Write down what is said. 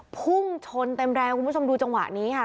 พุ่งชนเต็มแรงคุณผู้ชมดูจังหวะนี้ค่ะ